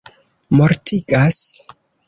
mortigas